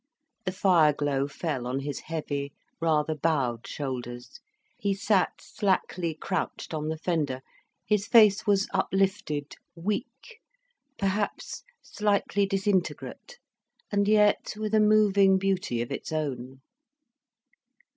The fireglow fell on his heavy, rather bowed shoulders, he sat slackly crouched on the fender, his face was uplifted, weak, perhaps slightly disintegrate, and yet with a moving beauty of its own.